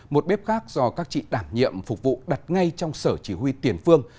một bếp khác do các chị đảm nhiệm phục vụ đặt ngay trong sở chỉ huy tiền phương